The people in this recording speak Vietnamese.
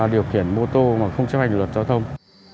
điều khiển mô tô mà không chấp hành luật giao thông